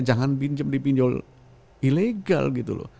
jangan pinjam di pinjol ilegal gitu loh